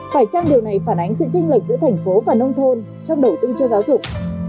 phải chăng điều này phản ánh sự tranh lệch giữa thành phố và nông thôn trong đầu tư cho giáo dục